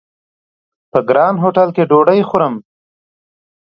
په ګران هوټل کې ډوډۍ خورم!